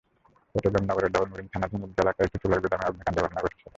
চট্টগ্রাম নগরের ডবলমুরিং থানাধীন ঈদগাঁ এলাকায় একটি তুলার গুদামে অগ্নিকাণ্ডের ঘটনা ঘটেছে।